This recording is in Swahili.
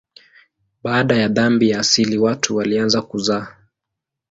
Baada ya dhambi ya asili watu walianza kuzaa.